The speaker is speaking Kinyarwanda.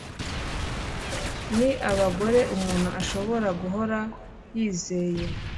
ni abagore umuntu ashobora guhora yizeye